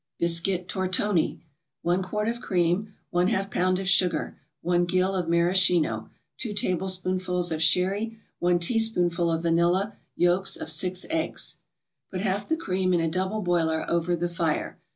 BISCUIT TORTONI 1 quart of cream 1/2 pound of sugar 1 gill of maraschino 2 tablespoonfuls of sherry 1 teaspoonful of vanilla Yolks of six eggs Put half the cream in a double boiler over the fire.